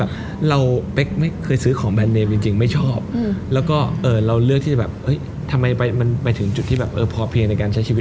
ฉันเชื่ออะไรสามีไบรัญญาคู่นี้บ้างได้วะ